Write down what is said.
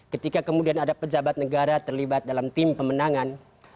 ketika kemudian ada pejabat negara terlibat dalam tim pemenangan